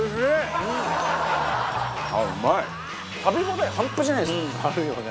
食べ応え半端じゃないですね。